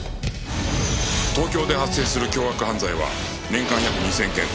東京で発生する凶悪犯罪は年間約２０００件